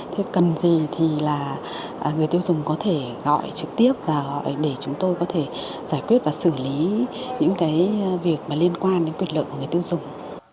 thế cần gì thì là người tiêu dùng có thể gọi trực tiếp để chúng tôi có thể giải quyết và xử lý những cái việc mà liên quan đến quyền lợi của người tiêu dùng